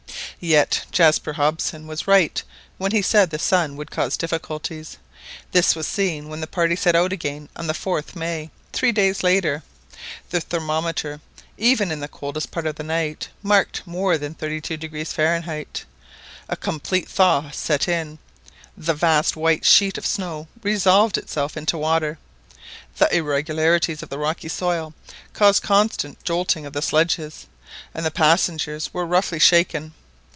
Yet Jaspar Hobson was right when he said the sun would cause difficulties. This was seen when the party set out again on the 4th May, three days later. The thermometer, even in the coldest part of the night, marked more than 32° Fahrenheit. A complete thaw set in, the vast white sheet of snow resolved itself into water. The irregularities of the rocky soil caused constant jolting of the sledges, and the passengers were roughly shaken.